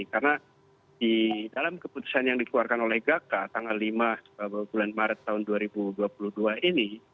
karena di dalam keputusan yang dikeluarkan oleh gaka tanggal lima bulan maret tahun dua ribu dua puluh dua ini